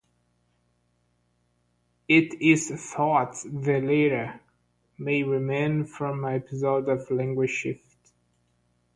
It is thought the latter may remain from an episode of language shift.